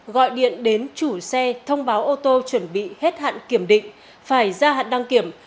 gọi điện đến chủ xe thông báo ô tô chuẩn bị hết hạn kiểm định phải ra hạn đăng kiểm